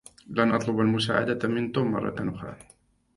لن أطلب المساعدة من توم مرة أخرى.